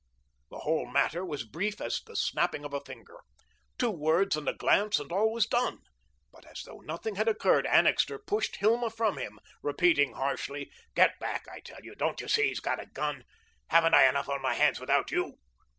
The whole matter was brief as the snapping of a finger. Two words and a glance and all was done. But as though nothing had occurred, Annixter pushed Hilma from him, repeating harshly: "Get back, I tell you. Don't you see he's got a gun? Haven't I enough on my hands without you?"